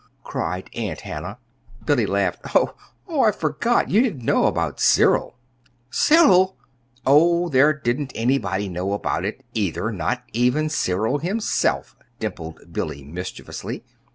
_" cried Aunt Hannah. Billy laughed. "Oh, I forgot. You didn't know about Cyril." "Cyril!" "Oh, there didn't anybody know it, either not even Cyril himself," dimpled Billy, mischievously.